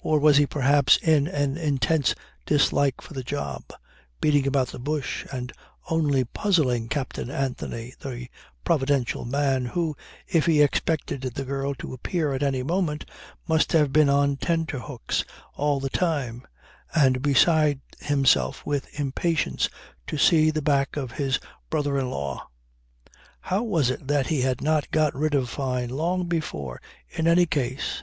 Or was he perhaps, in an intense dislike for the job, beating about the bush and only puzzling Captain Anthony, the providential man, who, if he expected the girl to appear at any moment, must have been on tenterhooks all the time, and beside himself with impatience to see the back of his brother in law. How was it that he had not got rid of Fyne long before in any case?